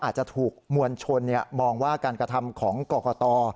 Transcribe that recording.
อาจจะถูกมวลชนมองว่าการกระทำของกรกต